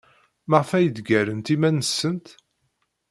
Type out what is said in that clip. Maɣef ay d-ggarent iman-nsent?